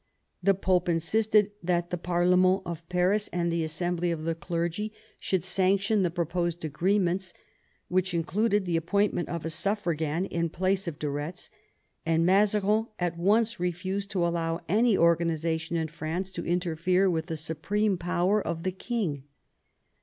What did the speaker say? The Pope insisted that the parlement of Paris and the assembly of the clergy should sanction the proposed agreements (which included the appointment of a suffragan in place of de Retz), and Mazarin at once refused to allow any organisation in France to interfere with the supreme power of the king.